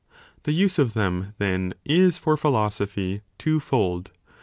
The use of them, then, is, for philosophy, two fold.